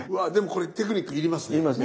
でもこれテクニック要りますね。